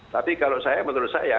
tapi kalau saya menurut saya